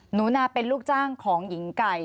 หนูนาเป็นลูกจ้างของหญิงไก่